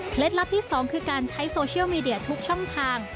ลับที่๒คือการใช้โซเชียลมีเดียทุกช่องทาง